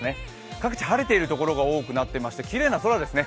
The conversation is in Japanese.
各地晴れている所が多くなっていましてきれいな空ですね。